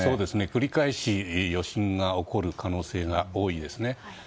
繰り返し余震が起こる可能性が多いですね。